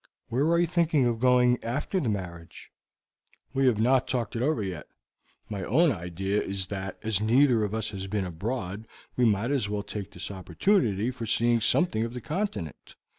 "Where are you thinking of going after the marriage?" "We have not talked it over yet. My own idea is that, as neither of us has been abroad, we might as well take this opportunity for seeing something of the Continent.